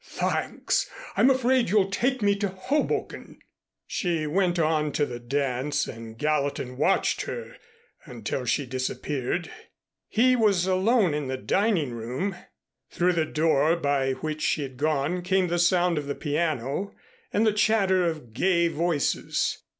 "Thanks, I'm afraid you'd take me to Hoboken." She went on to the dance and Gallatin watched her until she disappeared. He was alone in the dining room. Through the door by which she had gone came the sound of the piano and the chatter of gay voices.